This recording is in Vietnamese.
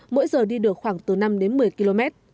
mỗi giờ đi được khoảng từ năm đến một mươi km